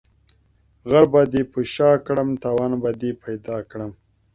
غر به دي په شاکړم ، توان به دي پيدا کړم.